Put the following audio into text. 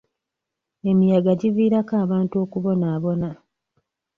Emiyaga giviirako abantu okubonaabona.